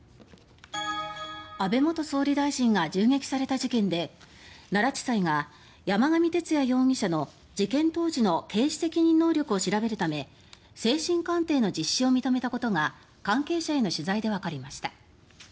安倍元総理大臣が銃撃された事件で奈良地裁が山上徹也容疑者の事件当時の刑事責任能力を調べるため精神鑑定の実施を認めたことが関係者への取材でわかりました。